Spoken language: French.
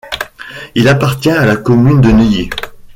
Il appartient à la commune de Neuilly.